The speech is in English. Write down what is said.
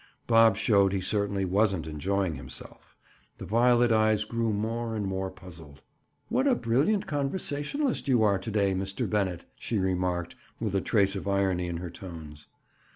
Bob showed he certainly wasn't enjoying himself. The violet eyes grew more and more puzzled. "What a brilliant conversationalist you are to day, Mr. Bennett!" she remarked with a trace of irony in her tones.